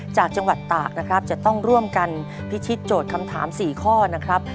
จากจังหวัดตากนะครับจะต้องร่วมกันพิชิตโจทย์คำถาม๔ข้อนะครับ